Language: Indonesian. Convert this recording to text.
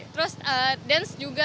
terus dance juga